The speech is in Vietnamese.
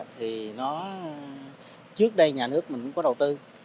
trước đây nhà nước mình cũng có đầu tư